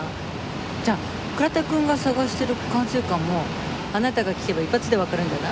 じゃあ倉田くんが探してる管制官もあなたが聞けば一発でわかるんじゃない？